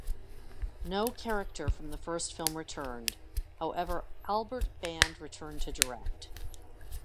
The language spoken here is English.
No character from the first film returned, however Albert Band returned to direct.